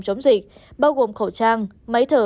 chống dịch bao gồm khẩu trang máy thở